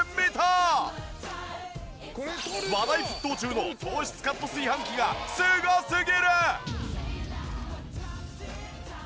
話題沸騰中の糖質カット炊飯器がすごすぎる！